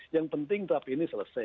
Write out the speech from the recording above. yang penting tahap ini selesai